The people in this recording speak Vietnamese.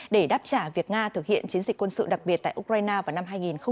để đáp trả việc nga thực hiện chiến dịch quân sự đặc biệt tại ukraine vào năm hai nghìn hai mươi